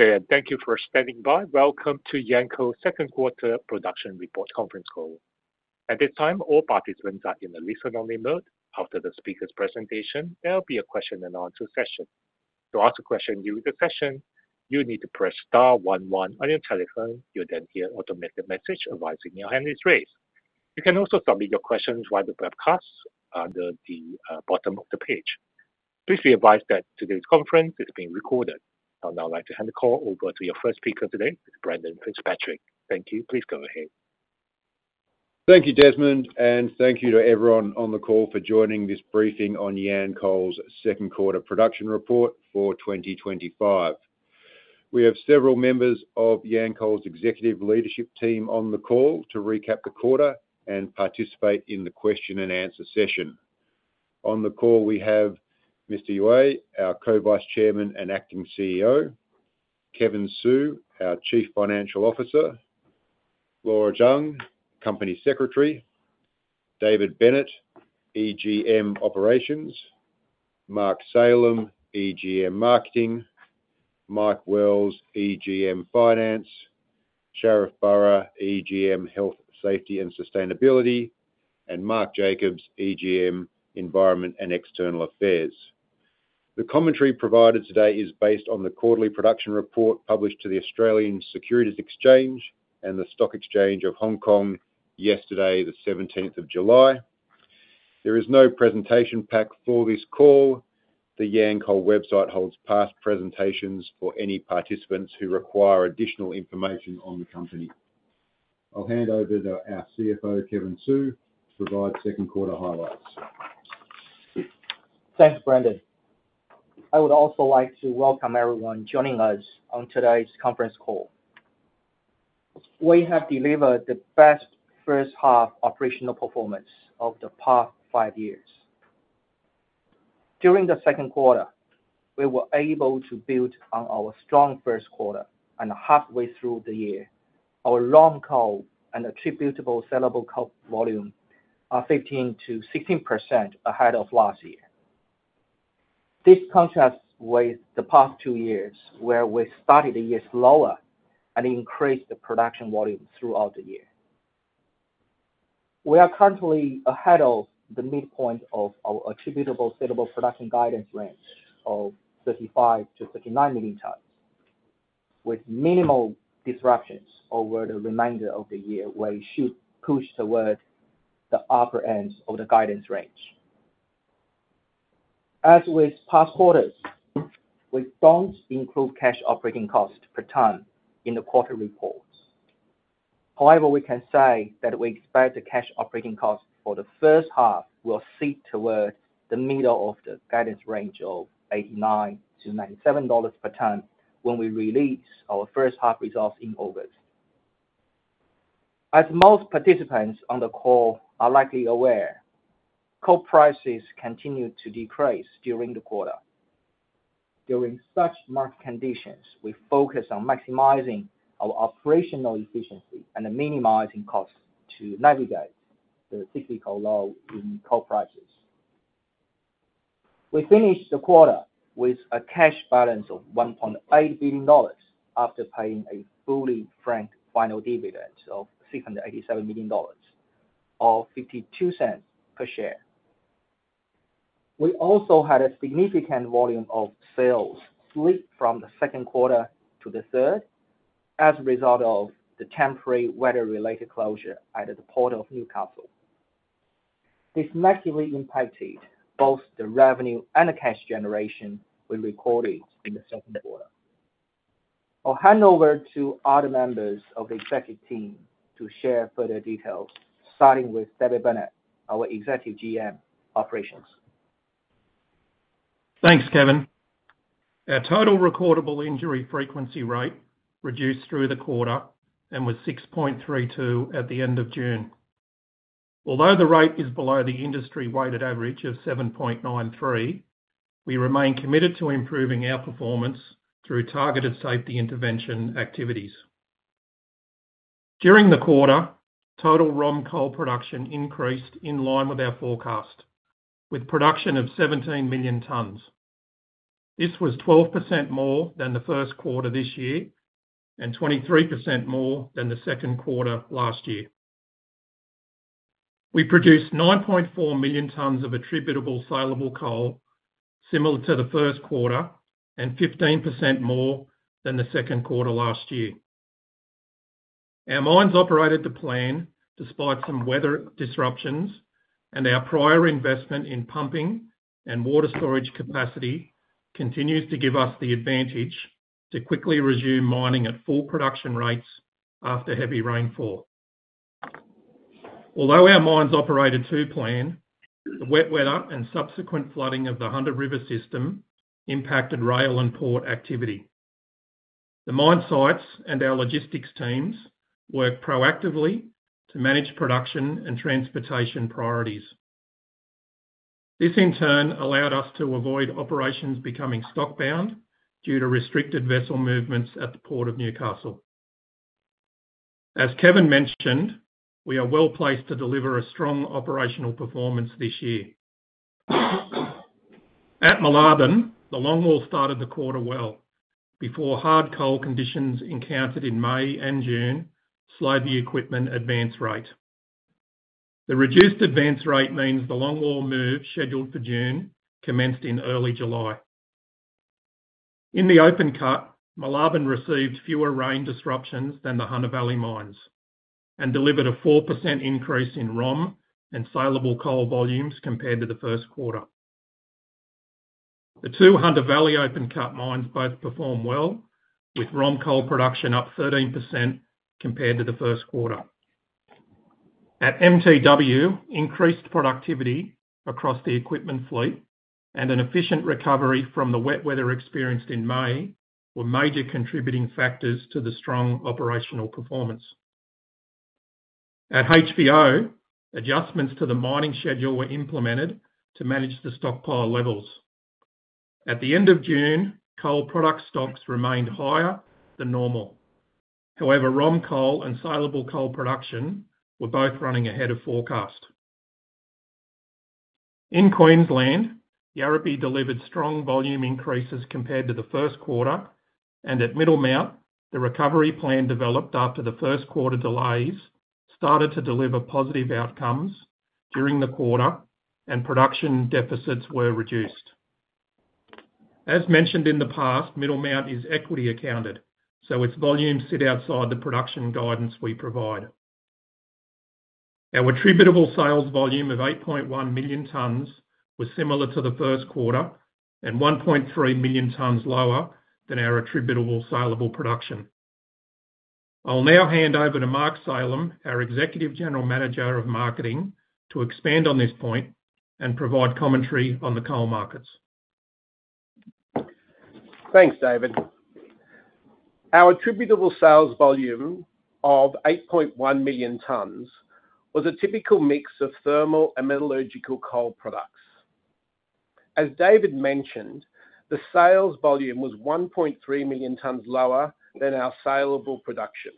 Good day, and thank you for standing by. Welcome to Yanco Second Quarter Production Report Conference Call. At this time, all participants are in a listen only mode. After the speakers' presentation, there will be a question and answer session. To ask a question during the session, you need to press 11 on your telephone. You'll then hear an automated message, advising your hand is raised. You can also submit your questions via the webcast under the bottom of the page. Please be advised that today's conference is being recorded. I would now like to hand the call over to your first speaker today, Mr. Brandon Fitzpatrick. Thank you. Please go ahead. Thank you, Desmond, and thank you to everyone on the call for joining this briefing on Yancoal's second quarter production report for 2025. We have several members of Yancoal's executive leadership team on the call to recap the quarter and participate in the question and answer session. On the call, we have Mr. Yue, our Co Vice Chairman and Acting CEO Kevin Hsu, our Chief Financial Officer Laura Zhang, Company Secretary David Bennett, EGM Operations Mark Salem, EGM Marketing Mike Wells, EGM Finance Sheriff Burrough, EGM Health, Safety and Sustainability and Mark Jacobs, EGM Environment and External Affairs. The commentary provided today is based on the quarterly production report published to the Australian Securities Exchange and the Stock Exchange of Hong Kong yesterday, the July 17. There is no presentation pack for this call. The Yancoal website holds past presentations for any participants who require additional information on the company. I'll hand over to our CFO, Kevin Hsu, to provide second quarter highlights. Thanks, Brandon. I would also like to welcome everyone joining us on today's conference call. We have delivered the best first half operational performance of the past five years. During the second quarter, we were able to build on our strong first quarter and halfway through the year. Our long coal and attributable sellable coal volume are 15% to 16% ahead of last year. This contrasts with the past two years where we started the year slower and increased the production volume throughout the year. We are currently ahead of the midpoint of our attributable suitable production guidance range of 35 to 39,000,000 tons with minimal disruptions over the remainder of the year where you should push toward the upper end of the guidance range. As with past quarters, we don't include cash operating cost per tonne in the quarter reports. However, we can say that we expect the cash operating costs for the first half will see towards the middle of the guidance range of $89 to $97 per tonne when we release our first half results in August. As most participants on the call are likely aware, coal prices continued to decrease during the quarter. During such market conditions, we focus on maximizing our operational efficiency and minimizing costs to navigate the typical low in coal prices. We finished the quarter with a cash balance of $1,800,000,000 after paying a fully frank final dividend of $687,000,000 or 52¢ per share. We also had a significant volume of sales slip from the second quarter to the third, as a result of the temporary weather related closure at the Port Of Newcastle. This massively impacted both the revenue and the cash generation we recorded in the second quarter. I'll hand over to other members of the executive team to share further details, starting with David Bennett, our Executive GM Operations. Thanks, Kevin. Our total recordable injury frequency rate reduced through the quarter and was six point three two at the June. Although the rate is below the industry weighted average of 7.93, we remain committed to improving our performance through targeted safety intervention activities. During the quarter, total ROM coal production increased in line with our forecast, with production of 17,000,000 tonnes. This was 12% more than the first quarter this year and 23% more than the second quarter last year. We produced 9,400,000 tonnes of attributable saleable coal similar to the first quarter and 15% more than the second quarter last year. Our mines operated to plan despite some weather disruptions and our prior investment in pumping and water storage capacity continues to give us the advantage to quickly resume mining at full production rates after heavy rainfall. Although our mines operated to plan, the wet weather and subsequent flooding of the Hunter River system impacted rail and port activity. The mine sites and our logistics teams worked proactively to manage production and transportation priorities. This in turn allowed us to avoid operations becoming stock bound due to restricted vessel movements at the Port Of Newcastle. As Kevin mentioned, we are well placed to deliver a strong operational performance this year. At Molladden, the Longwall started the quarter well before hard coal conditions encountered in May and June slowed the equipment advance rate. The reduced advance rate means the Longwall move scheduled for June commenced in early July. In the open cut, Mulaban received fewer rain disruptions than the Hunter Valley mines and delivered a 4% increase in ROM and saleable coal volumes compared to the first quarter. The two Hunter Valley open cut mines both performed well, with ROM coal production up 13% compared to the first quarter. At MTW, increased productivity across the equipment fleet and an efficient recovery from the wet weather experienced in May were major contributing factors to the strong operational performance. At HVO, adjustments to the mining schedule were implemented to manage the stockpile levels. At the June, coal product stocks remained higher than normal. However, ROM coal and saleable coal production were both running ahead of forecast. In Queensland, Yarapi delivered strong volume increases compared to the first quarter, and at Middlemount, the recovery plan developed after the first quarter delays started to deliver positive outcomes during the quarter, and production deficits were reduced. As mentioned in the past, Middlemount is equity accounted, so its volumes sit outside the production guidance we provide. Our attributable sales volume of 8,100,000 tonnes was similar to the first quarter and 1,300,000 tonnes lower than our attributable saleable production. I'll now hand over to Mark Salem, our Executive General Manager of Marketing, to expand on this point and provide commentary on the coal markets. Thanks, David. Our attributable sales volume of 8,100,000 tons was a typical mix of thermal and metallurgical coal products. As David mentioned, the sales volume was 1,300,000 tons lower than our saleable production.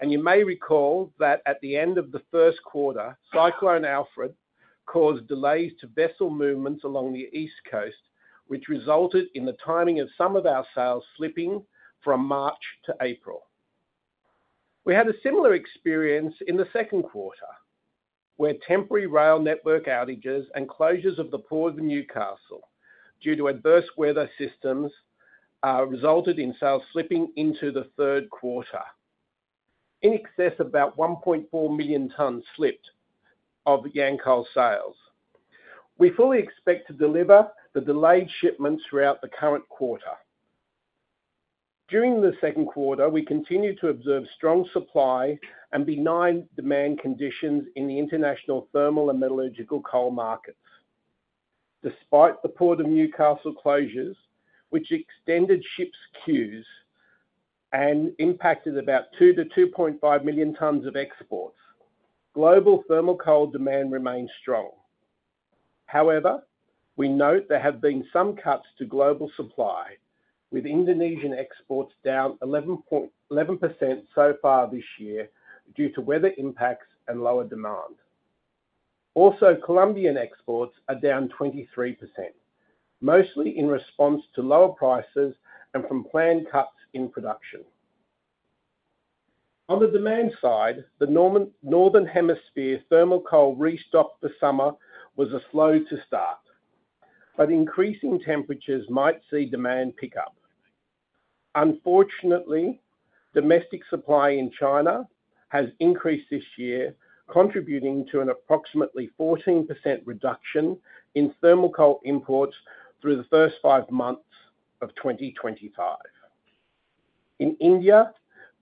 And you may recall that at the end of the first quarter, Cyclone Alfred caused delays to vessel movements along the East Coast, which resulted in the timing of some of our sales slipping from March to April. We had a similar experience in the second quarter where temporary rail network outages and closures of the Port Of Newcastle due to adverse weather systems resulted in sales slipping into the third quarter in excess about 1,400,000 tonnes slipped of Yancoal sales. We fully expect to deliver the delayed shipments throughout the current quarter. During the second quarter, we continue to observe strong supply and benign demand conditions in the international thermal and metallurgical coal markets. Despite the Port Of Newcastle closures, which extended ships queues and impacted about two to 2,500,000 tons of exports, global thermal coal demand remains strong. However, we note there have been some cuts to global supply with Indonesian exports down 11 11% so far this year due to weather impacts and lower demand. Also, Colombian exports are down 23%, mostly in response to lower prices and from planned cuts in production. On the demand side, the Norman Northern Hemisphere thermal coal restock for summer was a slow to start, but increasing temperatures might see demand pick up. Unfortunately, domestic supply in China has increased this year, contributing to an approximately 14% reduction in thermal coal imports through the first five months of 2025. In India,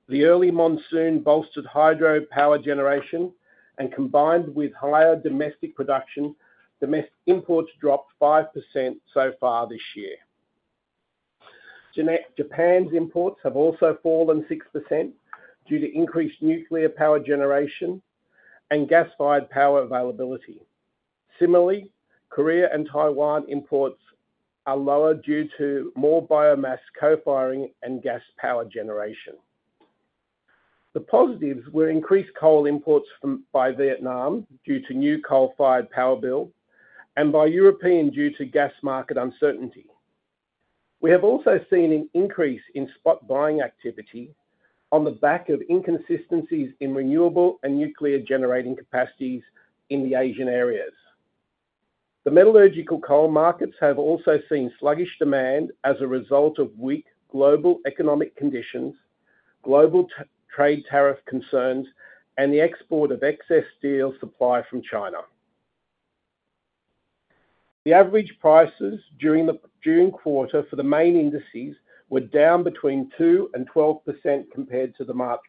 the early monsoon bolstered hydropower generation and combined with higher domestic production, the imports dropped 5% so far this year. Japan's imports have also fallen 6% due to increased nuclear power generation and gas fired power availability. Similarly, Korea and Taiwan imports are lower due to more biomass co firing and gas power generation. The positives were increased coal imports from by Vietnam due to new coal fired power bill and by European due to gas market uncertainty. We have also seen an increase in spot buying activity on the back of inconsistencies in renewable and nuclear generating capacities in the Asian areas. The metallurgical coal markets have also seen sluggish demand as a result of weak global economic conditions, global trade tariff concerns, and the export of excess steel supply from China. The average prices during the June for the main indices were down between 212% compared to the March.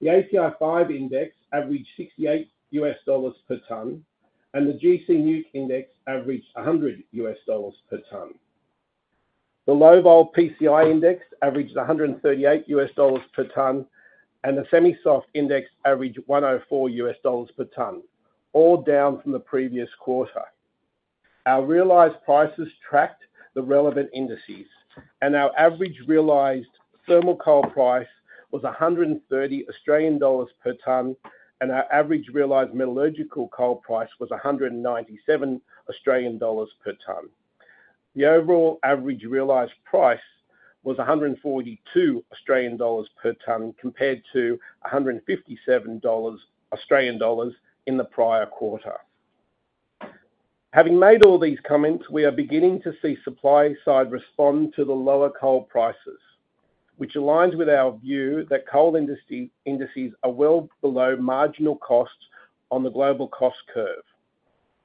The ACI five index averaged 68 US dollars per ton, and the GC nuke index averaged a 100 US dollars per ton. The low vol PCI index averaged a 138 US dollars per ton, and the semi soft index averaged $1.00 4 US dollars per ton, all down from the previous quarter. Our realized prices tracked the relevant indices and our average realized thermal coal price was a 130 Australian dollars per ton and our average realized metallurgical coal price was a 197 Australian dollars per ton. The overall average realized price was a 142 Australian dollars per ton compared to a $157 Australian dollars in the prior quarter. Having made all these comments, we are beginning to see supply side respond to the lower coal prices, which aligns with our view that coal industry indices are well below marginal costs on the global cost curve.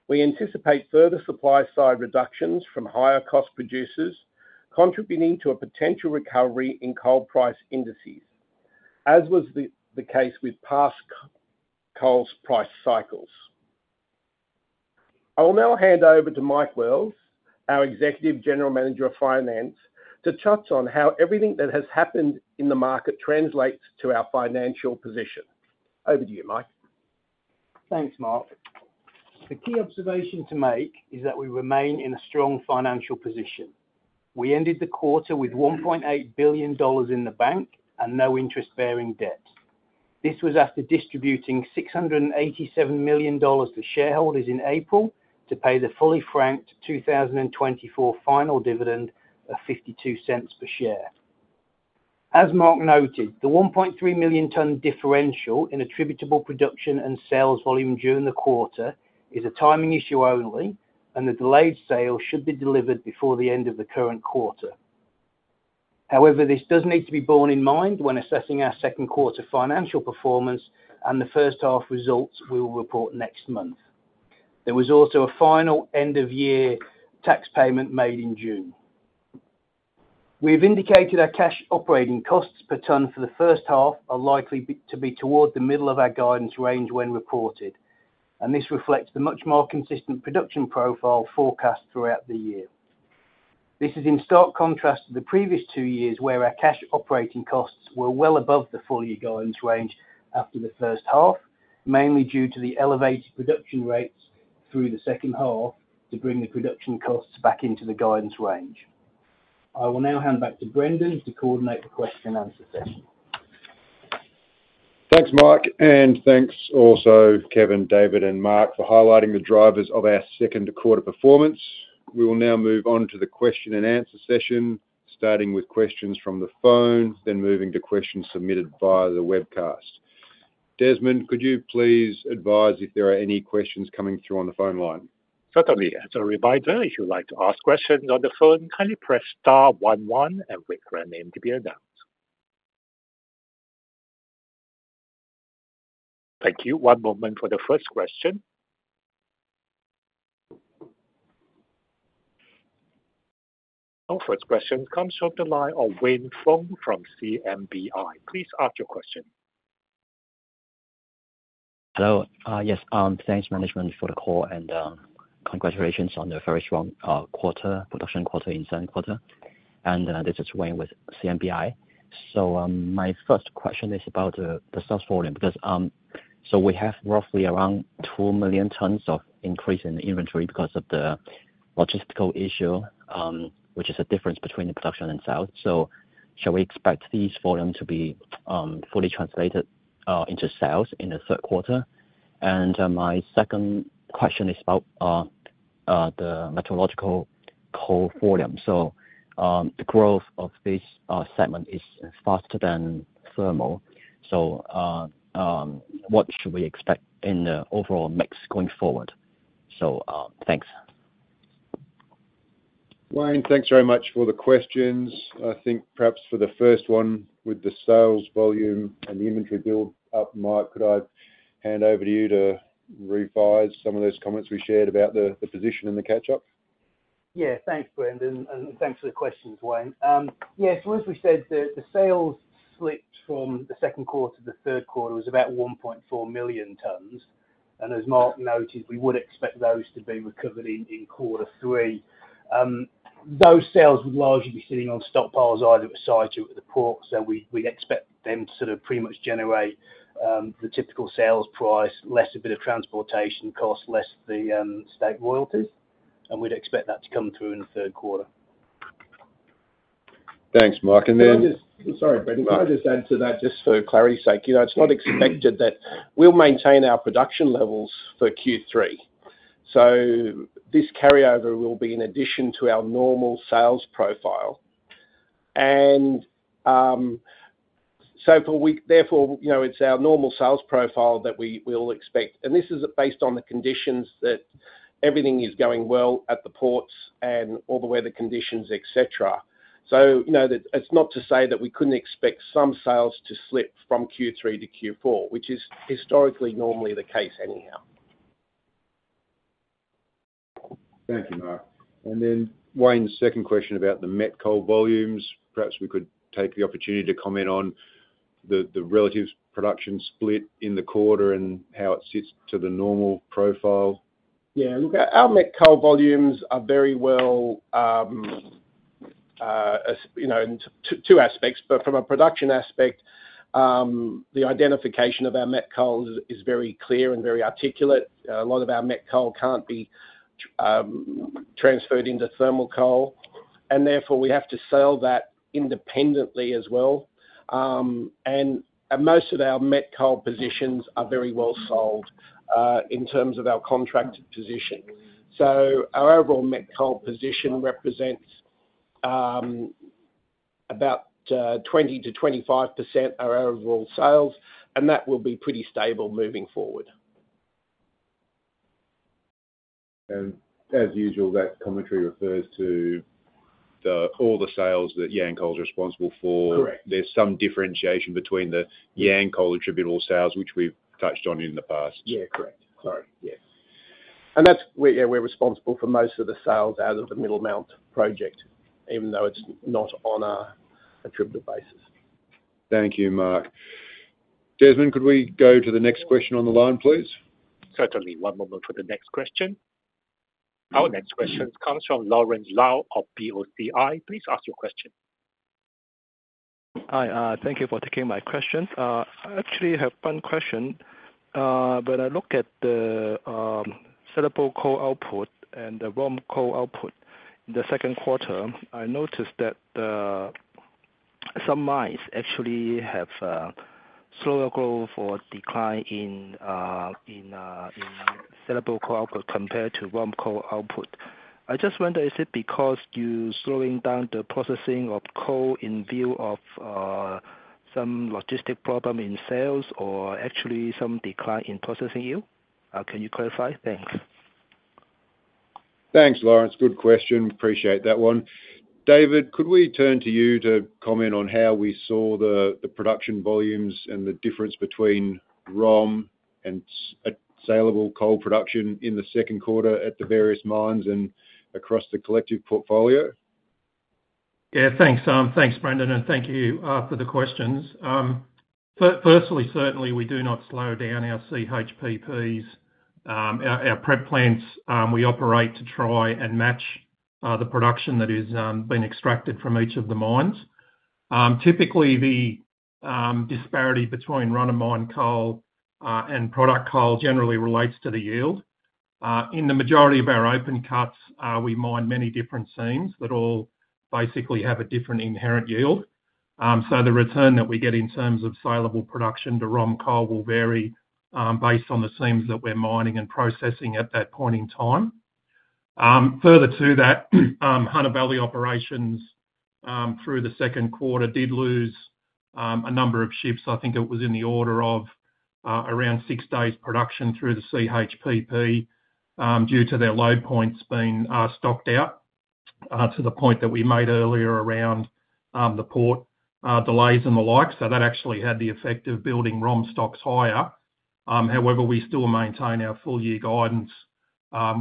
We anticipate further supply side reductions from higher cost producers contributing to a potential recovery in coal price indices as was the the case with past coal's price cycles. I will now hand over to Mike Wells, our executive general manager of finance, to touch on how everything that has happened in the market translates to our financial position. Over to you, Mike. Thanks, Mark. The key observation to make is that we remain in a strong financial position. We ended the quarter with $1,800,000,000 in the bank and no interest bearing debt. This was after distributing $687,000,000 to shareholders in April to pay the fully franked 2,024 final dividend of 52¢ per share. As Mark noted, the 1,300,000.0 tonne differential in attributable production and sales volume during the quarter is a timing issue only and the delayed sale should be delivered before the end of the current quarter. However, this does need to be borne in mind when assessing our second quarter financial performance and the first half results we will report next month. There was also a final end of year tax payment made in June. We've indicated our cash operating costs per tonne for the first half are likely to be towards the middle of our guidance range when reported, and this reflects the much more consistent production profile forecast throughout the year. This is in stark contrast to the previous two years where our cash operating costs were well above the full year guidance range after the first half, mainly due to the elevated production rates through the second half to bring the production costs back into the guidance range. I will now hand back to Brendan to coordinate the question and answer session. Thanks, Mark, and thanks also Kevin, David and Mark for highlighting the drivers of our second quarter performance. We will now move on to the question and answer session, starting with questions from the phone, then moving to questions submitted via the webcast. Desmond, could you please advise if there are any questions coming through on the phone line? Certainly. As a reminder, if you would like to ask questions on the phone, kindly press Please ask your question. Hello. Yes. Thanks, management, for the call, and congratulations on the very strong quarter, production quarter in second quarter. And this is Wayne with CNBI. So my first question is about the sales volume because so we have roughly around 2,000,000 tons of increase in the inventory because of the logistical issue, which is a difference between the production and sales. So shall we expect these volumes to be fully translated into sales in the third quarter? And my second question is about metallurgical coal volume. So the growth of this segment is faster than thermal. So what should we expect in the overall mix going forward? So thanks. Wayne, thanks very much for the questions. I think perhaps for the first one with the sales volume and the inventory build up, Mike, could I hand over to you to revise some of those comments we shared about the position and the catch up? Yeah. Thanks, Brendan, and thanks for the questions, Wayne. Yes. So as we said, the sales slipped from the second quarter to the third quarter was about 1,400,000 tonnes. And as Mark noted, we would expect those to be recovered in quarter three. Those sales would largely be sitting on stockpiles either at the or at the port. So we'd expect them to sort of pretty much generate the typical sales price, less a bit of transportation costs, less the stake royalties. And we'd expect that to come through in the third quarter. Thanks, Mike. Then Sorry, Brendan. Can I just add to that just for clarity's sake? You know, it's not expected that we'll maintain our production levels for q three. So this carryover will be in addition to our normal sales profile. And so for week, therefore, you know, it's our normal sales profile that we will expect. And this is based on the conditions that everything is going well at the ports and all the weather conditions, etcetera. So, you know, that it's not to say that we couldn't expect some sales to slip from q three to q four, which is historically normally the case anyhow. Thank you, Mark. And then, Wayne, second question about the met coal volumes. Perhaps we could take the opportunity to comment on the relative production split in the quarter and how it sits to the normal profile. Yeah, look, our met coal volumes are very well you know, in two aspects. But from a production aspect, the identification of our met coal is very clear and very articulate. A lot of our met coal can't be transferred into thermal coal, And therefore, we have to sell that independently as well. And most of our met coal positions are very well sold, in terms of our contracted position. So our overall met coal position represents about 20 to 25% of our overall sales, and that will be pretty stable moving forward. And as usual, that commentary refers to the all the sales that Yancoal is responsible for. Correct. There's some differentiation between the Yancoal attributable sales, which we've touched on in the past. Yeah. Correct. Sorry. Yeah. That's we yeah. We're responsible for most of the sales out of the Middlemount project, even though it's not on a tribute basis. Thank you, Mark. Desmond, could we go to the next question on the line, please? Certainly. One moment for the next question. Our next question comes from Lawrence Lau of BOCI. Please ask your question. Hi. Thank you for taking my question. I actually have one question. When I look at cellable core output and the warm cohort in the second quarter, I noticed that some mice actually have slower growth or decline in cellable core output compared to warm core output. I just wonder, is it because you're slowing down the processing of core in view of some logistic problem in sales or actually some decline in processing yield? Can you clarify? Thanks. Thanks, Lawrence. Good question. Appreciate that one. David, could we turn to you to comment on how we saw the production volumes and the difference between ROM and saleable coal production in the second quarter at the various mines and across the collective portfolio? Yeah, thanks. Thanks, Brendan, and thank you for the questions. Firstly, certainly we do not slow down our CHPPs. Our prep plants we operate to try and match the production that is being extracted from each of the mines. Typically, disparity between run of mine coal and product coal generally relates to the yield. In the majority of our open cuts, we mine many different seams that all basically have a different inherent yield. So the return that we get in terms of saleable production to ROM coal will vary based on the seams that we're mining and processing at that point in time. Further to that, Hunter Valley operations through the second quarter did lose a number of ships. I think it was in the order of around six days production through the CHPP due to their load points being stocked out, to the point that we made earlier around the port delays and the like. So that actually had the effect of building ROM stocks higher. However, we still maintain our full year guidance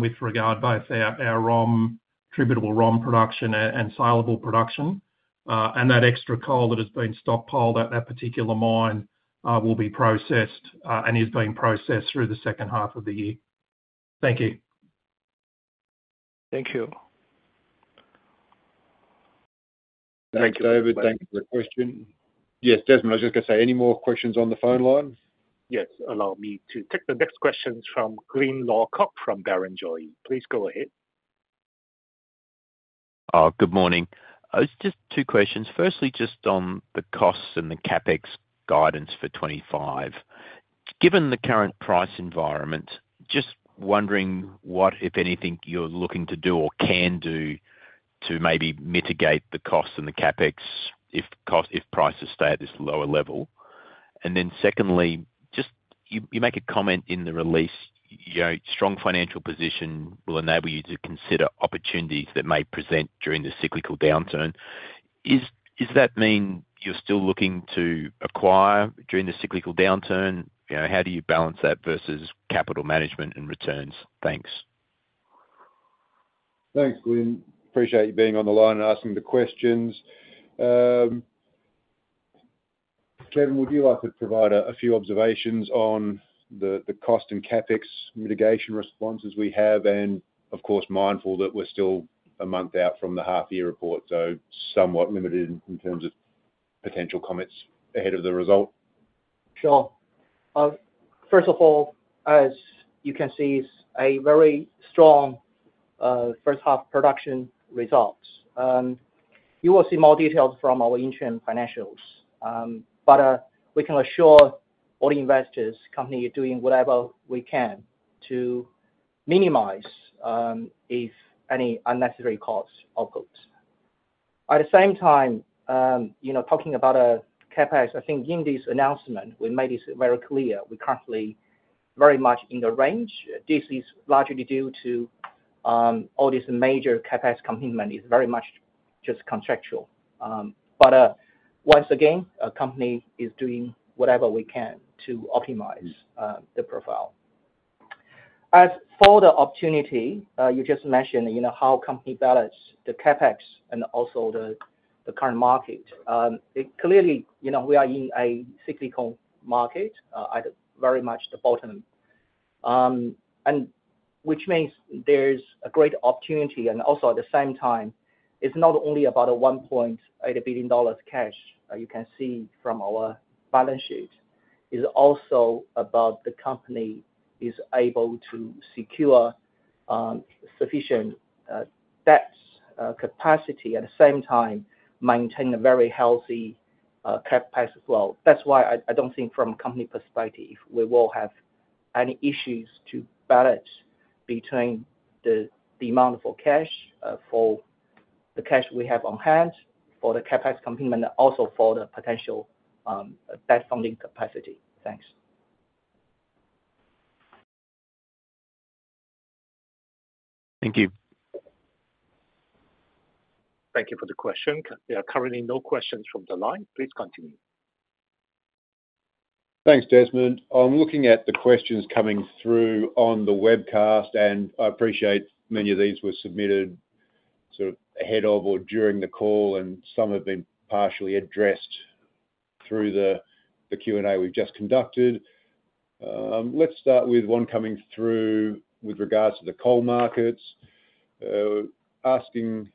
with regard both our ROM attributable ROM production and saleable production. And that extra coal that has been stockpiled at that particular mine will be processed and is being processed through the second half of the year. Thank you. Thank you. Thanks, David. Thanks for the question. Yes, Desmond, was just going say, any more questions on the phone line? Yes. Allow me to take the next questions from Glen Lawcock from Baronjoy. Please go ahead. Good morning. Just two questions. Firstly, just on the costs and the CapEx guidance for 2025. Given the current price environment, just wondering what, if anything, you're looking to do or can do to maybe mitigate the cost and the CapEx if cost if prices stay at this lower level? And then secondly, just you make a comment in the release, strong financial position will enable you to consider opportunities that may present during the cyclical downturn. Is that mean you're still looking to acquire during the cyclical downturn? How do you balance that versus capital management and returns? Thanks. Thanks, Glyn. Appreciate you being on the line and asking the questions. Kevin, would you like to provide a few observations on the cost and CapEx mitigation responses we have and, of course, mindful that we're still a month out from the half year report, so somewhat limited in in terms of potential comments ahead of the result. Sure. First of all, as you can see, it's a very strong first half production results. You will see more details from our interim financials, but we can assure all investors company are doing whatever we can to minimize At the same time, talking about CapEx, I think in this announcement, made this very clear. We're currently very much in the range. This is largely due to all these major CapEx commitment is very much just contractual. But once again, a company is doing whatever we can to optimize the profile. As for the opportunity, you just mentioned, how company balance the CapEx and also the current market. Clearly, we are in a cyclical market at very much the bottom And which means there's a great opportunity and also at the same time, it's not only about a $1,800,000,000 cash, you can see from our balance sheet, it's also about the company is able to secure sufficient debt capacity at the same time maintain a very healthy, CapEx as well. That's why I don't think from company perspective, we will have any issues to balance between the demand for cash for the cash we have on hand for the CapEx company and also for the potential debt funding capacity. Thanks. Thank you. Thank you for the question. There are currently no questions from the line. Please continue. Thanks, Desmond. I'm looking at the questions coming through on the webcast, and I appreciate many of these were submitted sort of ahead of or during the call, and some have been partially addressed through the Q and A we've just conducted. Let's start with one coming through with regards to the coal markets, asking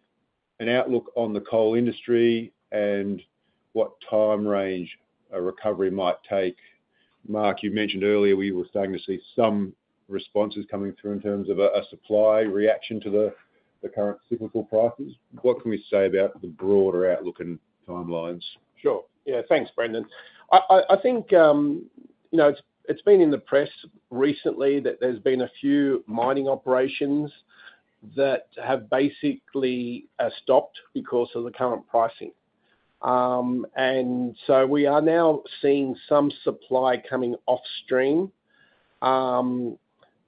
an outlook on the coal industry and what time range a recovery might take. Mark, you mentioned earlier we were starting to see some responses coming through in terms of a supply reaction to the current cyclical prices. What can we say about the broader outlook and timelines? Sure. Yeah. Thanks, Brendan. I I think, you know, it's it's been in the press recently that there's been a few mining operations that have basically stopped because of the current pricing. And so we are now seeing some supply coming off stream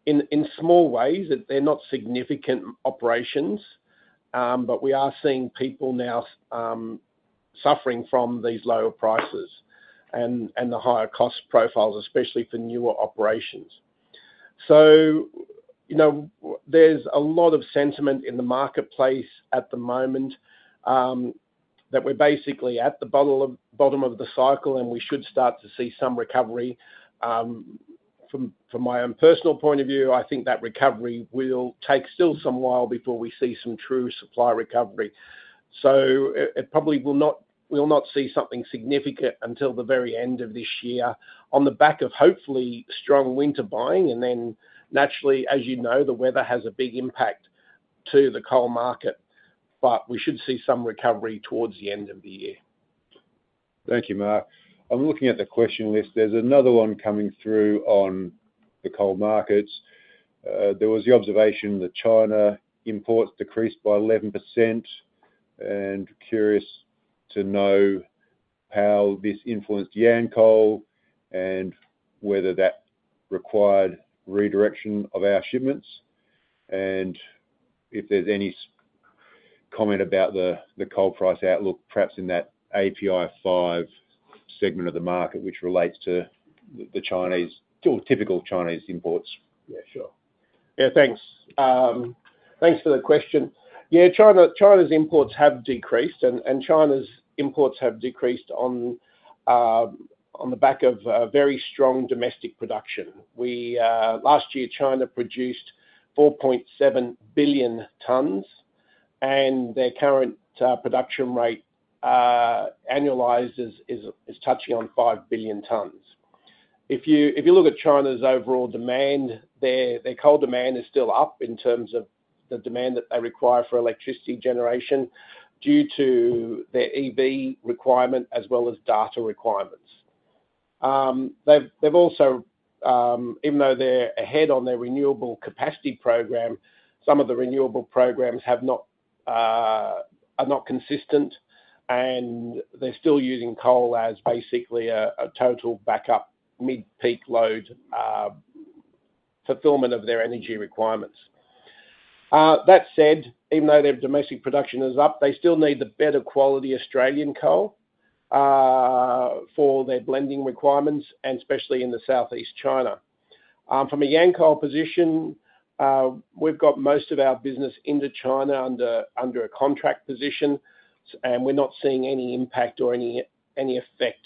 in small ways that they're not significant operations, but we are seeing people now suffering from these lower prices and the higher cost profiles, especially for newer operations. So, you know, there's a lot of sentiment in the marketplace at the moment that we're basically at the bottom of the cycle and we should start to see some recovery. From my own personal point of view, I think that recovery will take still some while before we see some true supply recovery. So it probably will not we will not see something significant until the very end of this year on the back of hopefully strong winter buying. And then naturally, as you know, the weather has a big impact to the coal market, but we should see some recovery towards the end of the year. Thank you, Mark. I'm looking at the question list. There's another one coming through on the coal markets. There was the observation that China imports decreased by 11%, and curious to know how this influenced Yancoal and whether that required redirection of our shipments, and if there's any comment about the coal price outlook perhaps in that API five segment of the market which relates to the Chinese to typical Chinese imports. Yeah. Sure. Yeah. Thanks. Thanks for the question. Yeah. China China's imports have decreased, and and China's imports have decreased on on the back of a very strong domestic production. We, last year, China produced 4,700,000,000 tons and their current production rate annualized is is touching on 5,000,000,000 tons. If you if you look at China's overall demand, their their coal demand is still up in terms of the demand that they require for electricity generation due to their EV requirement as well as data requirements. They've they've also, even though they're ahead on their renewable capacity program, some of the renewable programs have not, are not consistent, and they're still using coal as basically a a total backup mid peak load fulfillment of their energy requirements. That said, even though their domestic production is up, they still need the better quality Australian coal, for their blending requirements and especially in the Southeast China. From a Yancoal position, we've got most of our business into China under under a contract position and we're not seeing any impact or any effect,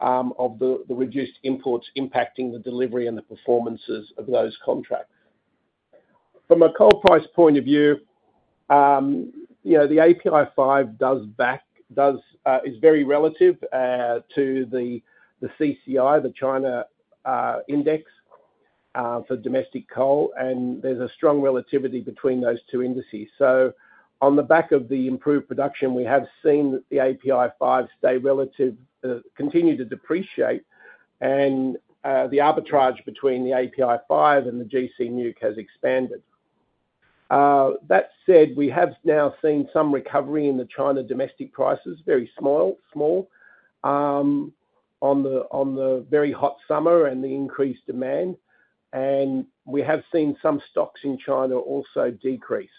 of the reduced imports impacting the delivery and the performances of those contracts. From a coal price point of view, you know, the API five does back does, is very relative, to the CCI, the China, Index, for domestic coal, and there's a strong relativity between those two indices. So on the back of the improved production, we have seen that the API five stay relative, continue to depreciate and, the arbitrage between the API five and the GC nuke has expanded. That said, we have now seen some recovery in the China domestic prices, very small small, on the on the very hot summer and the increased demand. And we have seen some stocks in China also decrease.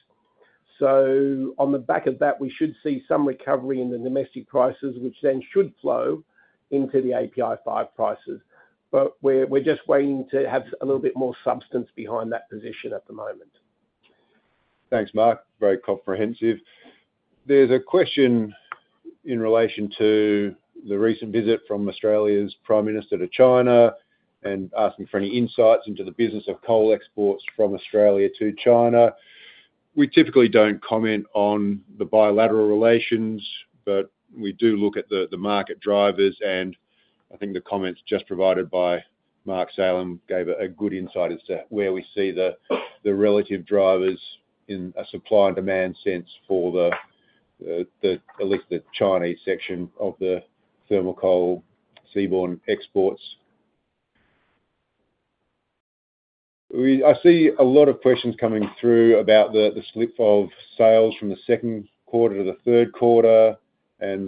So on the back of that, we should see some recovery in the domestic prices, which then should flow into the API five prices. But we're we're just waiting to have a little bit more substance behind that position at the moment. Thanks, Mark. Very comprehensive. There's a question in relation to the recent visit from Australia's Prime Minister to China and asking for any insights into the business of coal exports from Australia to China. We typically don't comment on the bilateral relations, but we do look at the market drivers, and I think the comments just provided by Mark Salem gave a good insight as to where we see the relative drivers in a supply and demand sense for the Chinese section of the thermal coal seaborne exports. I see a lot of questions coming through about the slip of sales from the second quarter to the third quarter and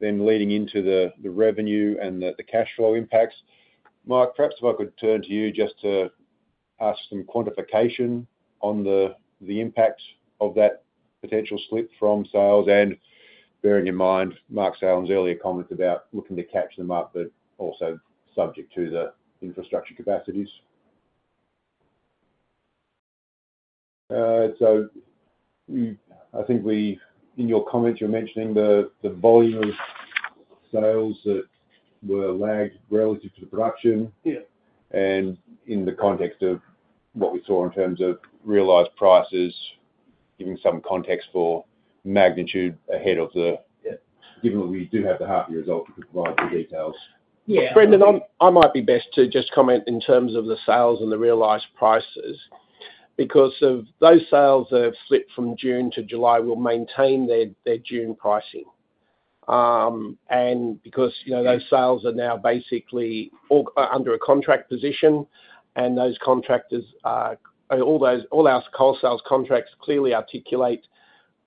then leading into the revenue and the cash flow impacts. Mark, perhaps if I could turn to you just to ask some quantification on the impact of that potential slip from sales and bearing in mind Mark Salem's earlier comments about looking to catch them up, also subject to the infrastructure capacities. So I think we in your comments, you're mentioning the the volume of sales that were lagged relative to the production. Yeah. And in the context of what we saw in terms of realized prices, giving some context for magnitude ahead of the Yeah. Given that we do have the half year results to provide the details. Yeah. Brendan, I might be best to just comment in terms of the sales and the realized prices because of those sales that have flipped from June to July will maintain their their June pricing. And because, you know, those sales are now basically under a contract position and those contractors are all those all our coal sales contracts clearly articulate,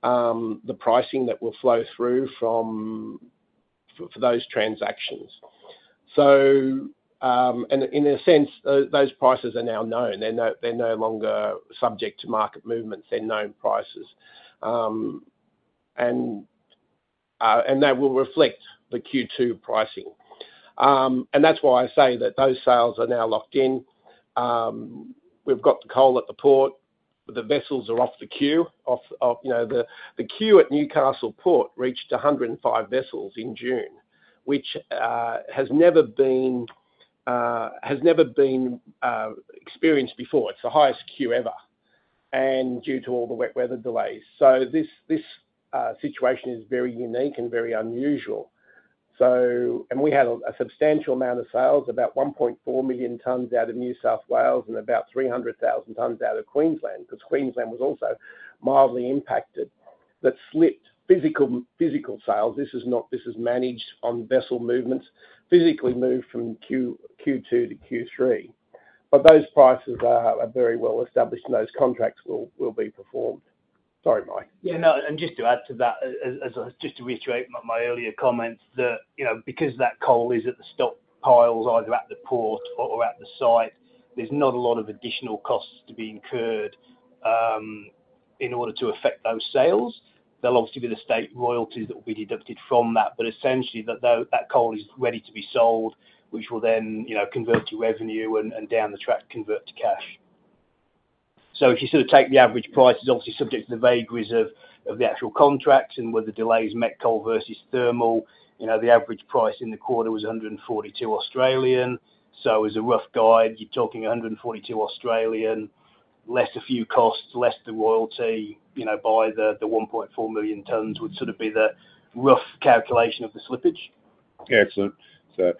the pricing that will flow through from for those transactions. So, and in a sense, those prices are now known. They're no they're no longer subject to market movements and known prices, and and that will reflect the q two pricing. And that's why I say that those sales are now locked in. We've got the coal at the port. The vessels are off the queue of of you know, the the queue at Newcastle Port reached a 105 vessels in June, which, has never been, has never been, experienced before. It's the highest queue ever and due to all the wet weather delays. So this this, situation is very unique and very unusual. So and we had a a substantial amount of sales, about 1,400,000 tons out of New South Wales and about 300,000 tons out of Queensland because because Queensland was also mildly impacted. That slipped physical physical sales. This is not this is managed on vessel movements, physically moved from q q two to q three. But those prices are are very well established, and those contracts will will be performed. Sorry, Mike. Yeah. No. And just to add to that, just to reiterate my earlier comments that, you know, because that coal is at the stockpiles either at the port or at the site, there's not a lot of additional costs to be incurred in order to affect those sales. They'll obviously be the state royalties that will be deducted from that. But essentially, that coal is ready to be sold, which will then convert to revenue and down the track convert to cash. So if you sort of take the average price, it's obviously subject to the vagaries of the actual contracts and where the delays met coal versus thermal. The average price in the quarter was 142. So as a rough guide, you're talking 142 less a few costs, less the royalty, you know, by the the 1,400,000 tons would sort of be the rough calculation of the slippage. Excellent. So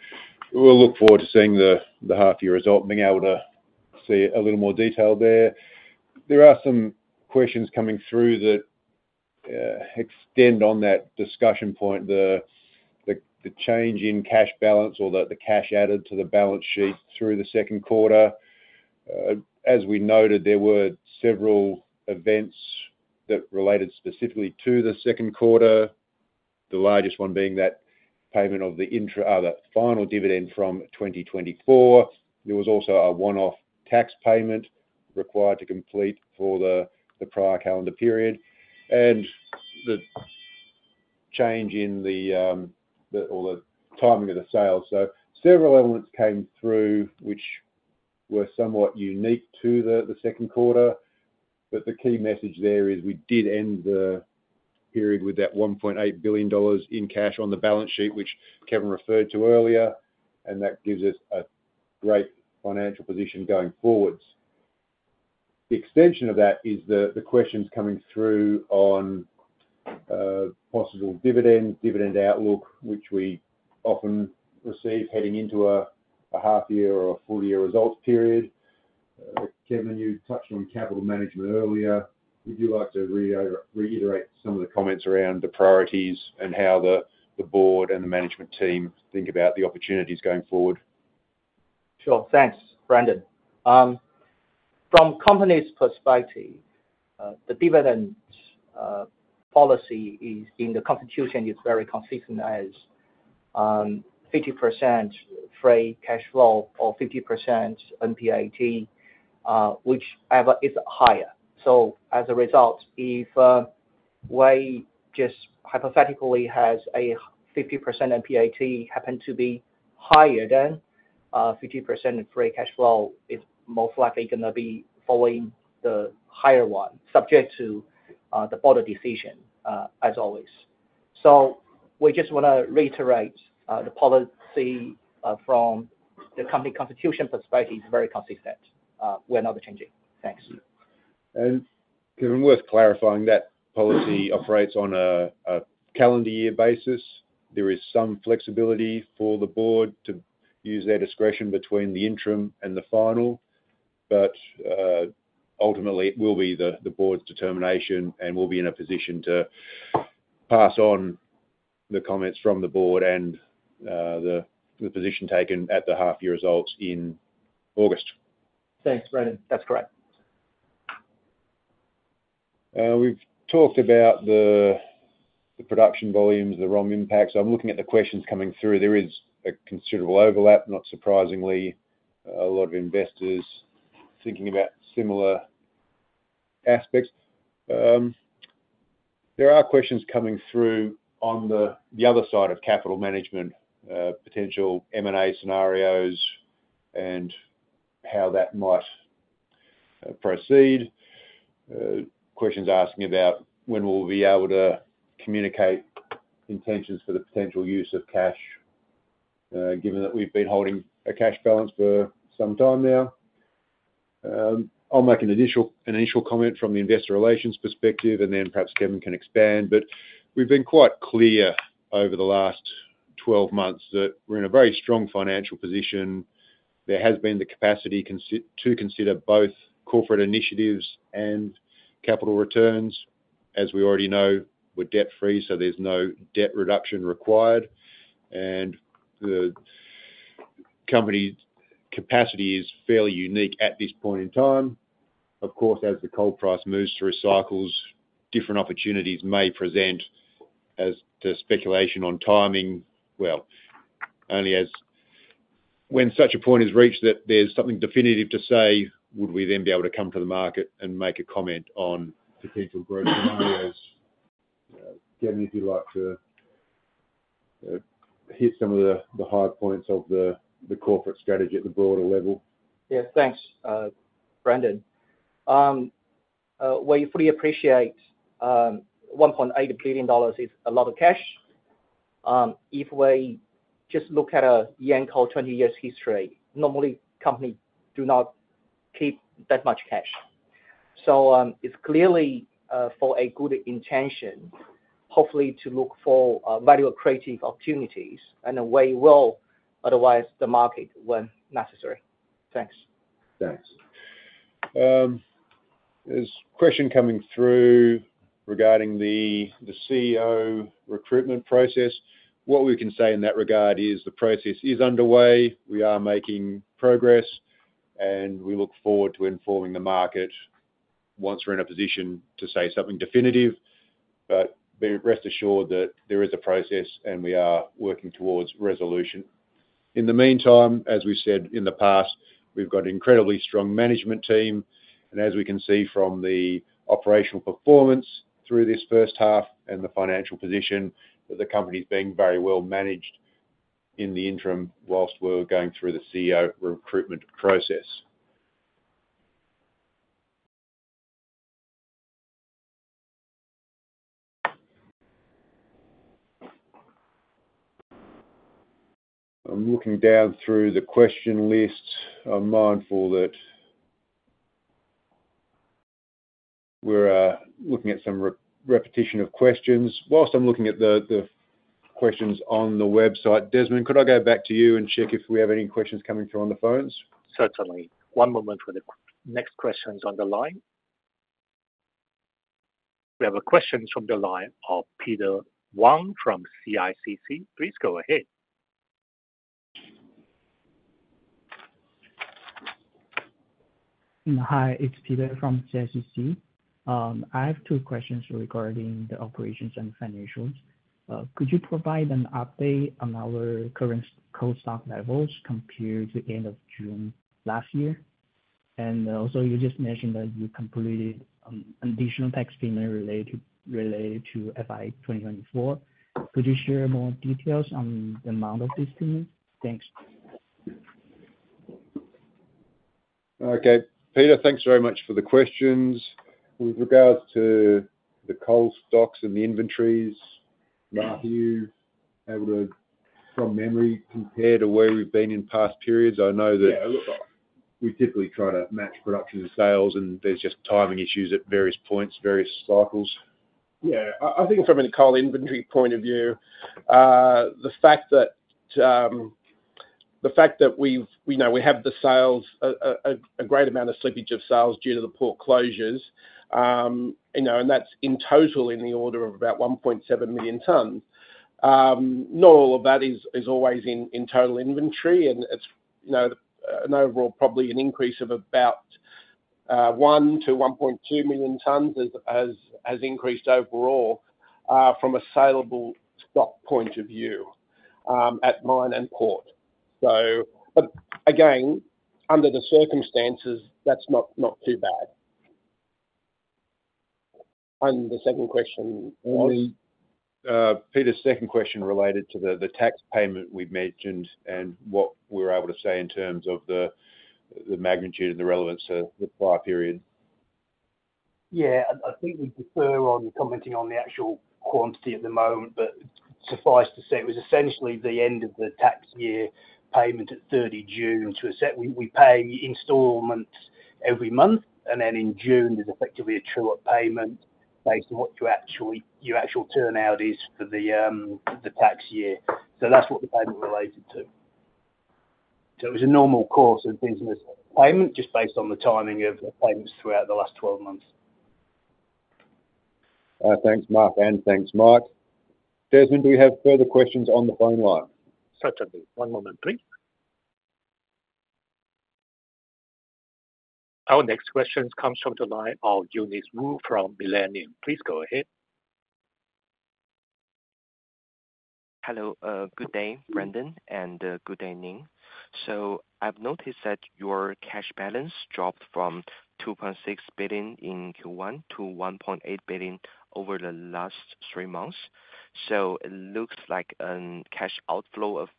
we'll look forward to seeing the the half year result, being able to see a little more detail there. There are some questions coming through that extend on that discussion point, change in cash balance or the cash added to the balance sheet through the second quarter. As we noted, there were several events that related specifically to the second quarter, the largest one being that payment of the final dividend from 2024. There was also a one off tax payment required to complete for the prior calendar period and the change in timing of the sales. So several elements came through which were somewhat unique to the second quarter, but the key message there is we did end the period with that $1,800,000,000 in cash on the balance sheet, which Kevin referred to earlier, and that gives us a great financial position going forward. The extension of that is the questions coming through on possible dividend outlook, which we often receive heading into a half year or a full year results period. Kevin, you touched on capital management earlier. Would you like to reiterate some of the comments around the priorities and how board and the management team think about the opportunities going forward. Sure, thanks Brandon. From company's perspective, the dividend policy is in the constitution is very consistent as 50% free cash flow or 50% NPAT, which is higher. So as a result, if we just hypothetically has a 50 of PAT happened to be higher than 50% of free cash flow, it's most likely gonna be following the higher one subject to the border decision as always. So we just want to reiterate the policy from the company constitution perspective is very consistent. We're not changing. Thanks. Kevin, And worth clarifying that policy operates on a calendar year basis. There is some flexibility for the Board to use their discretion between the interim and the final, but ultimately it will be the Board's determination and we'll be in a position to pass on the comments from the Board and the position taken at the half year results in August. Thanks, Brandon. That's correct. We've talked about the production volumes, ROM impacts. I'm looking at the questions coming through. There is a considerable overlap, not surprisingly, a lot of investors thinking about similar aspects. There are questions coming through on the other side of capital management, potential M and A scenarios and how that might proceed. Questions asking about when we'll be able to communicate intentions for the potential use of cash, given that we've been holding a cash balance for some time now. I'll make an initial comment from the Investor Relations perspective, and then perhaps Kevin can expand. We've been quite clear over the last twelve months that we're in a very strong financial position. There has been the capacity to consider both corporate initiatives and capital returns. As we already know, we're debt free, so there's no debt reduction required, and the company's capacity is fairly unique at this point in time. Of course, as the coal price moves through cycles, different opportunities may present as to speculation on timing. Well, only as when such a point is reached that there's something definitive to say, would we then be able to come to the market and make a comment on potential growth scenarios? Know, Kevin, if you like, to hear some of the the hard points of the the corporate strategy at the broader level. Yes. Thanks, Brandon. We fully appreciate 1,800,000,000 is a lot of cash. If we just look at a Yanco twenty years history, normally company do not keep that much cash. So it's clearly for a good intention, hopefully to look for value accretive opportunities and a way well, otherwise, the market when necessary. Thanks. Thanks. There's a question coming through regarding the CEO recruitment process. What we can say in that regard is the process is underway, we are making progress, and we look forward to informing the market once we're in a position to say something definitive, but be rest assured that there is a process and we are working towards resolution. In the meantime, as we've said in the past, we've got an incredibly strong management team, and as we can see from the operational performance through this first half and the financial position, the company is being very well managed in the interim whilst we're going through the CEO recruitment process. I'm looking down through the question list. I'm mindful that we're looking at some repetition of questions. Whilst I'm looking at the questions on the website, Desmond, could I go back to you and check if we have any questions coming through on the phones? Certainly. One moment for the next questions on the line. We have a question from the line of Peter Wang from CICC. Please go ahead. Hi. It's Peter from CICC. I have two questions regarding the operations and financials. Could you provide an update on our current cost of levels compared to June? And, also, you just mentioned that you completed an additional tax payment related related to f I twenty twenty four. Could you share more details on the amount of this payment? Thanks. Okay. Peter, thanks very much for the questions. With regards to the coal stocks and the inventories, Matthew, from memory, to where we've been in past periods? I know that we typically try to match production and sales, and there's timing issues at various points, various cycles. Yeah. I I think from a coal inventory point of view, the fact that the fact that we've you know, we have the sales a a a great amount of slippage of sales due to the port closures, you know, and that's in total in the order of about 1,700,000 tons. Not all of that is is always in in total inventory and it's, you know, an overall probably an increase of about one to 1,200,000 tons as as as increased overall, from a saleable stock point of view, at mine and port. So but, again, under the circumstances, that's not not too bad. And the second question, we Peter's second question related to the the tax payment we've mentioned and what we're able to say in terms of the the magnitude and the relevance of the prior period. Yeah. I I think we defer on commenting on the actual quantity at the moment, but suffice to say, was essentially the end of the tax year payment at thirty June. So we we pay installments every month, and then in June, there's effectively a true up payment based on what you actually your actual turnout is for the, the tax year. So that's what the payment related to. So it was a normal course of business payment just based on the timing of payments throughout the last twelve months. Thanks, Mark, and thanks, Mike. Desmond, do we have further questions on the phone line? Certainly. One moment, please. Our next question comes from the line of Eunice Wu from Millennium. Please go ahead. Hello. Good day, Brendan, and good day, Ning. So I've noticed that your cash balance dropped from 2,600,000,000.0 in q one to 1,800,000,000.0 over the last three months. So it looks like a cash outflow of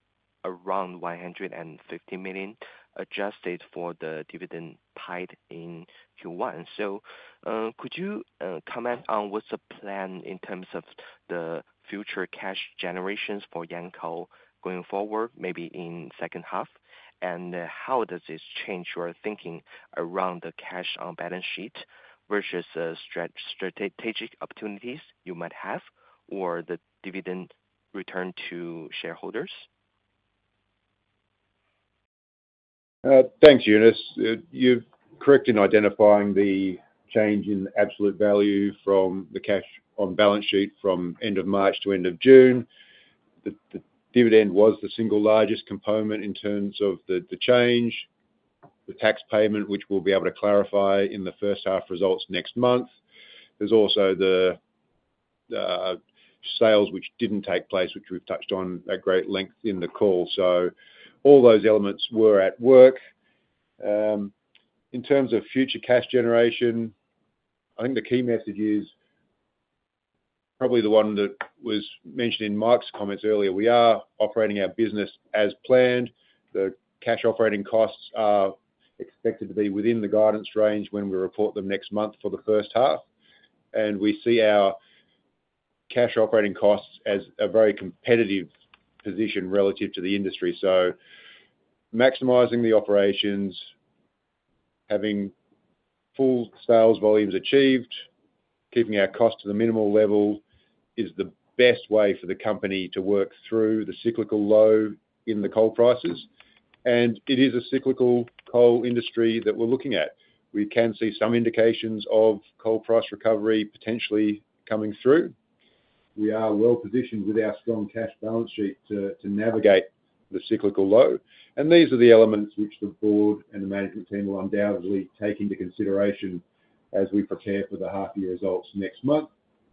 around $150,000,000 adjusted for the dividend paid in Q1. So could you comment on what's the plan in terms of the future cash generations for Yanco going forward, maybe in second half? And how does this change your thinking around the cash on balance sheet versus strategic opportunities you might have or the dividend return to shareholders? Thanks, Eunice. You're correct in identifying the change in absolute value from the cash on balance sheet from March to June. The dividend was the single largest component in terms of the change, the tax payment, which we'll be able to clarify in the first half results next month. There's also the sales which didn't take place, which we've touched on at great length in the call. So all those elements were at work. In terms of future cash generation, I think the key message is probably the one that was mentioned in Mike's comments earlier, we are operating our business as planned. The cash operating costs are expected to be within the guidance range when we report them next month for the first half, and we see our cash operating costs as a very competitive position relative to the industry. So maximizing the operations, having full sales volumes achieved, keeping our cost to the minimal level is the best way for the company to work through the cyclical low in the coal prices. And it is a cyclical coal industry that we're looking at. We can see some indications of coal price recovery potentially coming through. We are well positioned with our strong cash balance sheet to navigate the cyclical low. And these are the elements which the board and the management team will undoubtedly take into consideration as we prepare for the half year results next month,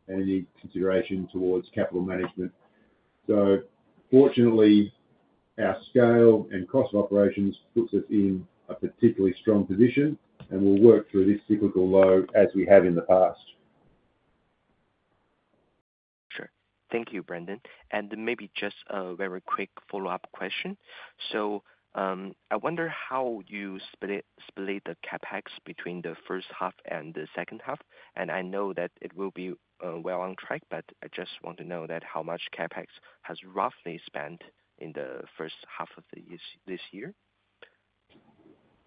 and any consideration towards capital management. So, fortunately, our scale and cost of operations puts us in a particularly strong position, and we'll work through this cyclical low as we have in the past. Sure. Thank you, Brandon. And maybe just a very quick follow-up question. So, I wonder how you split split the CapEx between the first half and the second half. And I know that it will be, well on track, but I just want to know that how much CapEx has roughly spent in the first half of the this this year.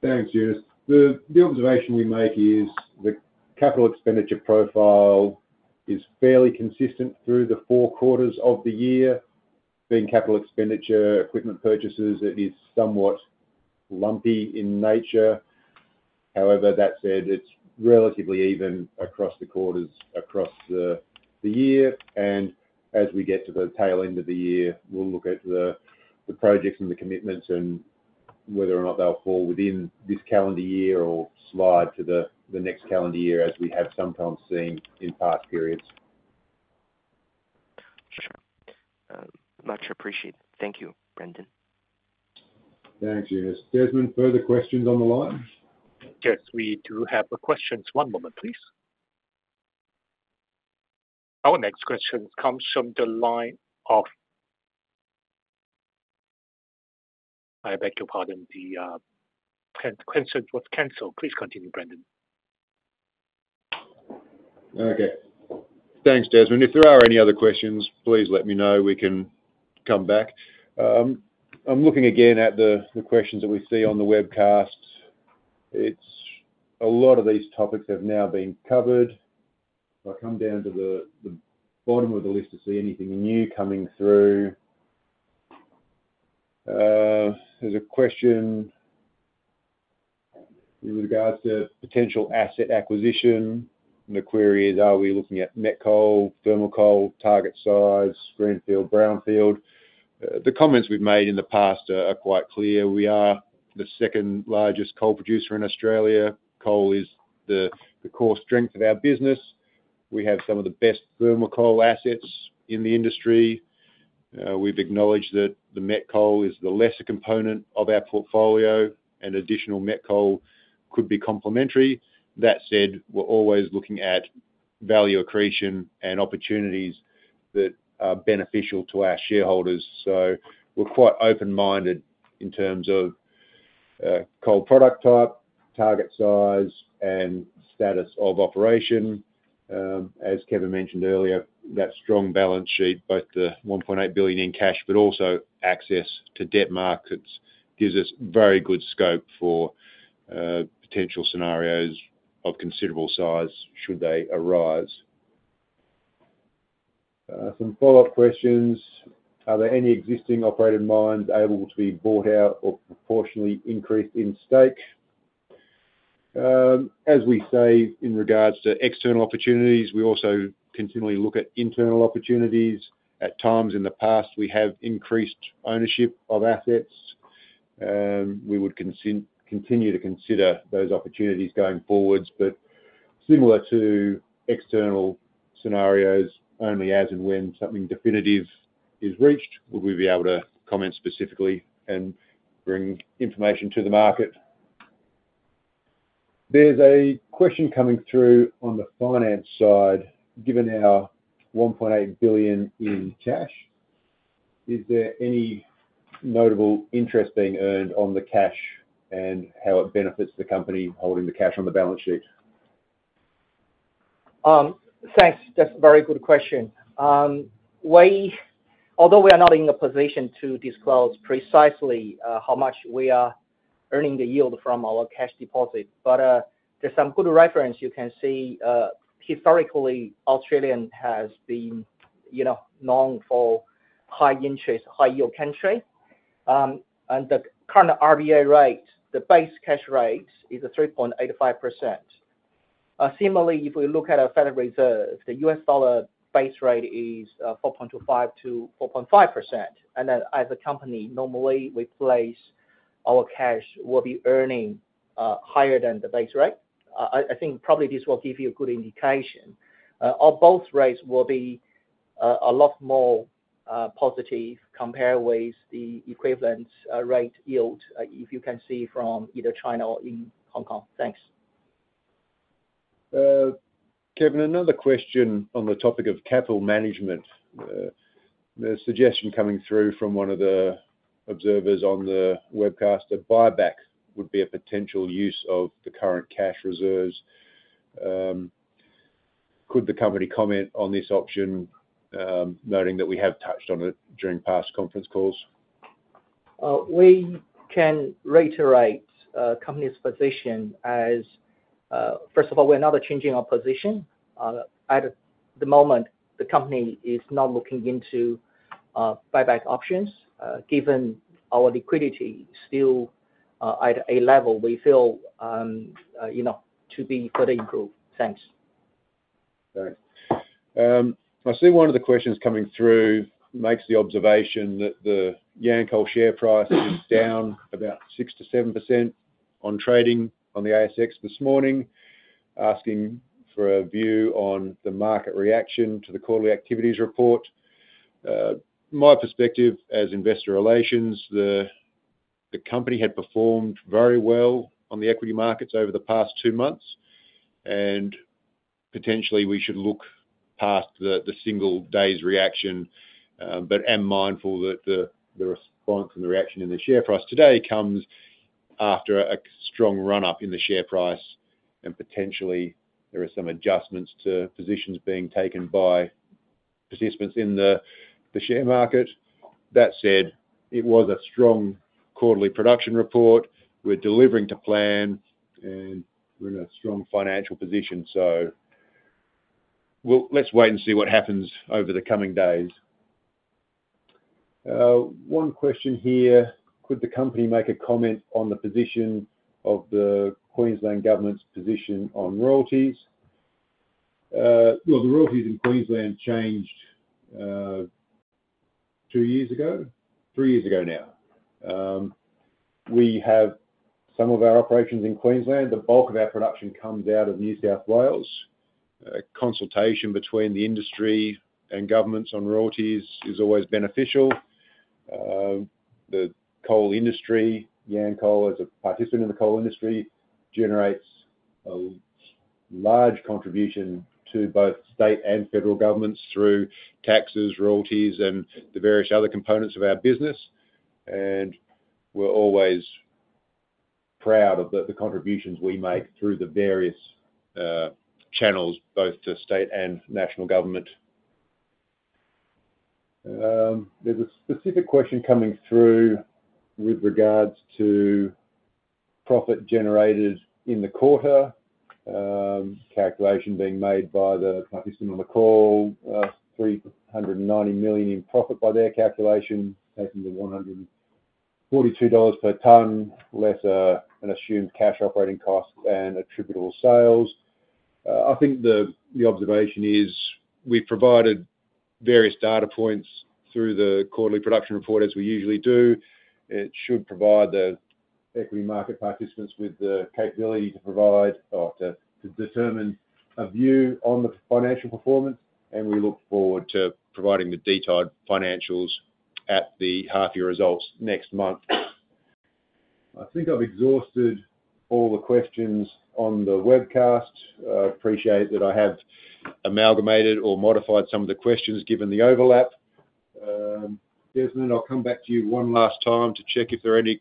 Thanks, Eunice. The the observation we make is the capital expenditure profile is fairly consistent through the four quarters of the year. Being capital expenditure equipment purchases, it is somewhat lumpy in nature. However, that said, it's relatively even across the quarters, across the year, and as we get to the tail end of the year, we'll look at the projects and the commitments and whether or not they'll fall within this calendar year or slide to the next calendar year as we have sometimes seen in past periods. Sure. Much appreciated. Thank you, Brendan. Thank you. Desmond, further questions on the line? Yes. We do have questions. One moment, please. Our next question comes from the line of, I beg your pardon. The consent was canceled. Please continue, Brandon. Okay. Thanks, Desmond. If there are any other questions, please let me know. We can come back. I'm looking again at the questions that we see on the webcast. A lot of these topics have now been covered. If I come down to the bottom of the list to see anything new coming through, There's a question with regards to potential asset acquisition, and the query is are we looking at met coal, thermal coal, target size, greenfield, brownfield? The comments we've made in the past are quite clear. We are the second largest coal producer in Australia. Coal is the core strength of our business. We have some of the best thermal coal assets in the industry. We've acknowledged that the met coal is the lesser component of our portfolio and additional met coal could be complementary. That said, we're always looking at value accretion and opportunities that are beneficial to our shareholders. So we're quite open minded in terms of cold product type, target size and status of operation. As Kevin mentioned earlier, that strong balance sheet, both the $1,800,000,000 in cash, but also access to debt markets gives us very good scope for potential scenarios of considerable size should they arise. Some follow-up questions: Are there any existing operated mines able to be bought out or proportionally increased in stake? As we say in regards to external opportunities, we also continually look at internal opportunities. At times in the past we have increased ownership of assets. We would continue to consider those opportunities going forwards, but similar to external scenarios, only as and when something definitive is reached will we be able to comment specifically and bring information to the market. There's a question coming through on the finance side. Given our 1,800,000,000.0 in cash, is there any notable interest being earned on the cash and how it benefits the company holding the cash on the balance sheet? Thanks. That's very good question. Although we are not in a position to disclose precisely how much we are earning the yield from our cash deposit, but there's some good reference you can see historically Australian has been, you know, known for high interest, high yield country and the current RBA rate, the base cash rate is a 3.85%. Similarly, if we look at our Federal Reserve, the US dollar base rate is 4.25 to 4.5% and then as a company normally replace our cash will be earning higher than the base rate. I think probably this will give you a good indication. Our both rates will be a lot more positive compared with the equivalent rate yield if you can see from either China or in Hong Kong. Thanks. Kevin, another question on the topic of capital management. The suggestion coming through from one of the observers on the webcast of buyback would be a potential use of the current cash reserves. Could the company comment on this option, noting that we have touched on it during past conference calls? We can reiterate company's position as first of all, we're not changing our position. At the moment, the company is not looking into buyback options, given our liquidity still at a level we feel to be further improved. Thanks. I see one of the questions coming through makes the observation that the Yancoal share price is down about six to 7% on trading on the ASX this morning, asking for a view on the market reaction to the quarterly activities report. My perspective as investor relations, the company had performed very well on the equity markets over the past two months, and potentially we should look past the single day's reaction, but am mindful that the response and the reaction in the share price today comes after a strong run up in the share price, and potentially, there are some adjustments to positions being taken by participants in the share market. That said, it was a strong quarterly production report, we're delivering to plan, and we're in a strong financial position, so let's wait and see what happens over the coming days. One question here. Could the company make a comment on the position of the Queensland Government's position on royalties? Well, royalties in Queensland changed two years ago, three years ago now. Have some of our operations in Queensland. The bulk of our production comes out of New South Wales. Consultation between the industry and governments on royalties is always beneficial. Coal industry, Yancoal as a participant in the coal industry, generates a large contribution to both state and federal governments through taxes, royalties, and the various other components of our business, and we're always proud of the contributions we make through the various channels, both to state and national government. There's a specific question coming through with regards to profit generated in the quarter, Calculation being made by the participant on the call, $390,000,000 in profit by their calculation, taken to $142 per tonne, lesser an assumed cash operating cost and attributable sales. I think the observation is we've provided various data points through the quarterly production report as we usually do. It should provide the equity market participants with the capability to determine a view on the financial performance, and we look forward to providing the detailed financials at the half year results next month. I think I've exhausted all the questions on the webcast. I appreciate that I have amalgamated or modified some of the questions given the overlap. Desmond, I'll come back to you one last time to check if there are any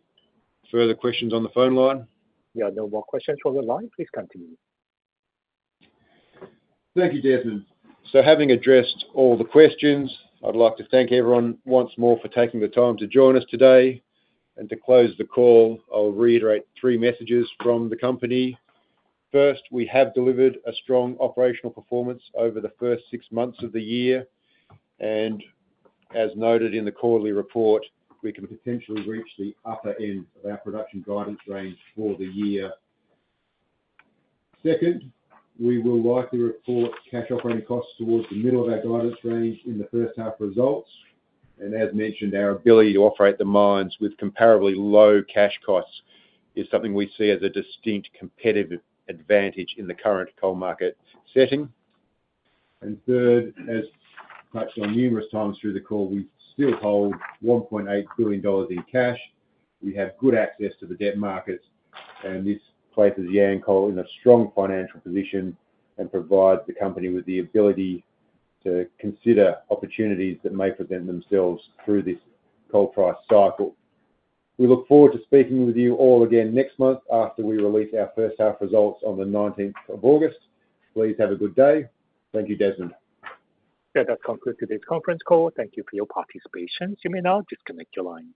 further questions on the phone line. Yeah, there are more questions from the line. Please continue. Thank you, Jasmine. So having addressed all the questions, I'd like to thank everyone once more for taking the time to join us today. And to close the call, I'll reiterate three messages from the company. First, we have delivered a strong operational performance over the first six months of the year, and as noted in the quarterly report, we can potentially reach the upper end of our production guidance range for the year. Second, we will likely report cash operating costs towards the middle of our guidance range in the first half results. And as mentioned, our ability to operate the mines with comparably low cash costs is something we see as a distinct competitive advantage in the current coal market setting. And third, as I've mentioned numerous times through the call, we still hold 1,800,000,000 in cash. We have good access to the debt markets and this places Yancoal in a strong financial position and provides the company with the ability to consider opportunities that may present themselves through this coal price cycle. We look forward to speaking with you all again next month after we release our first half results on the August 19. Please have a good day. Thank you, Desmond. That concludes today's conference call. Thank you for your participation. You may now disconnect your lines.